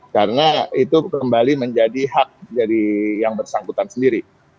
karena itu kembali menjadi hak dari yang bersangkutan sendiri